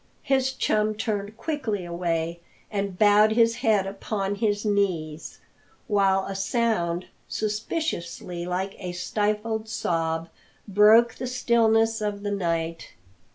His chum turned quickly away and bowed his head upon his knees, while a sound suspiciously like a stifled sob broke the stillness of the night.